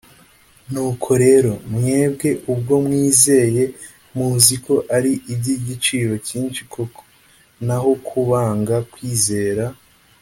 ’ nuko rero, mwebwe ubwo mwizeye, muzi ko ari iby’igiciro cyinshi koko, naho ku banga kwizera,